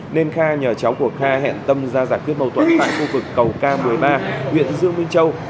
nên kha nhờ cháu của kha hẹn tâm ra giải quyết mâu thuẫn tại khu vực cầu k một mươi ba huyện dương minh châu